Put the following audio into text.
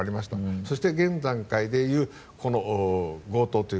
そして、現段階でいうこの強盗という。